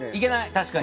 確かに。